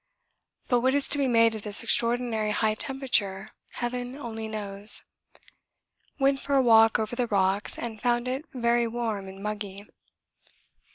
But what is to be made of this extraordinary high temperature heaven only knows. Went for a walk over the rocks and found it very warm and muggy.